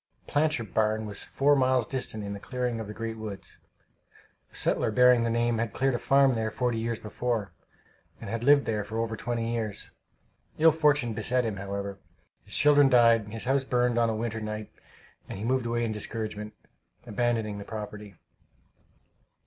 But the Plancher barn was four miles distant, in the clearing in the "great woods." A settler bearing the name had cleared a farm there forty years before, and had lived there for over twenty years. Ill fortune beset him, however. His children died, his house burned on a winter night, and he moved away in discouragement, abandoning the property.